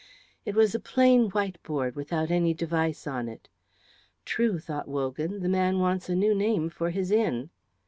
It was a plain white board without any device on it. "True," thought Wogan, "the man wants a new name for his inn."